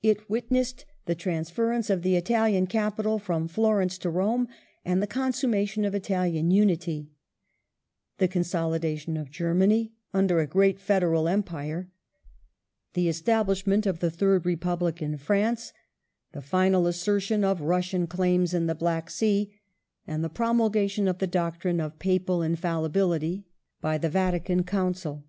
It witnessed the transference of the Italian capital from Florence to Rome and the consummation of Italian Unity ; the consolidation of Germany under a great Federal Empire ; the establishment of the Third Republic in France ;^ the final assertion of Russian claims in the Black Sea, and the promulgation of the doctrine of Papal Infallibility by the Vatican Council.